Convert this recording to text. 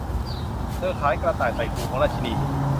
เธอขายกระต่ายใส่หูของราชินี